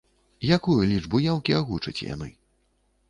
Якую лічбу яўкі агучаць яны?